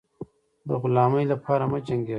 د غلامۍ لپاره مه جنګېږی.